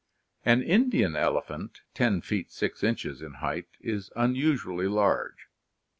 An Indian elephant 10 feet 6 inches in height is unusually large.